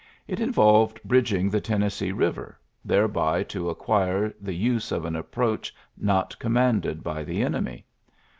It involved bridging the Tennessee Eiver, thereby to acquire the use of an approach not commanded by the enemy.